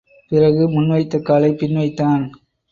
பிறகு, முன் வைத்த காலை பின் வைத்தான்.